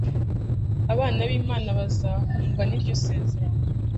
Abana b'Imana bazahugwa n'iryo sezerano.